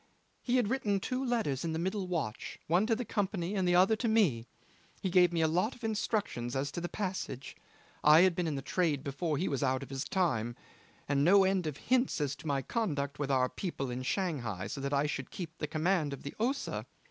He had written two letters in the middle watch, one to the Company and the other to me. He gave me a lot of instructions as to the passage I had been in the trade before he was out of his time and no end of hints as to my conduct with our people in Shanghai, so that I should keep the command of the Ossa.